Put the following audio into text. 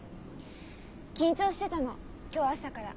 緊張してたの今日朝から。